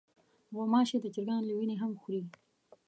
غوماشې د چرګانو له وینې هم خوري.